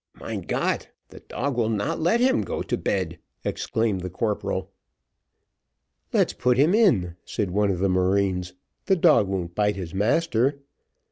"Mein Got, the dog will not let him go to bed," exclaimed the corporal. "Let's put him in," said one of the marines, "the dog won't bite his master."